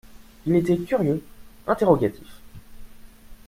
Il était curieux, interrogatif.